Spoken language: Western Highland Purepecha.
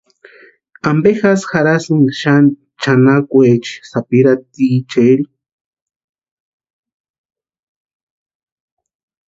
¿Ampe jasï jarhaski xani chʼanakweecha sapirhaticheri?